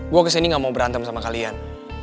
gue kesini gak mau berantem sama kalian